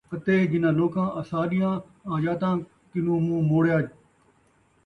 اَتے جِنھاں لوکاں آساݙیاں آیاتاں کنُوں مُنہ چا موڑیا،